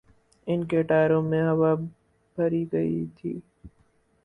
ان کے ٹائروں میں ہوا بھری گئی تھی۔